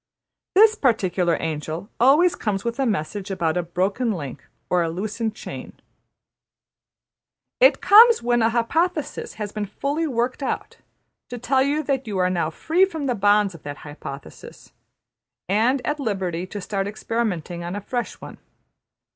This particular angel always comes with a message about a broken link or a loosened chain. It comes, when an hypothesis has been fully worked out, to tell you that you are now free from the bonds of that hypothesis and at liberty to start experimenting on a fresh one.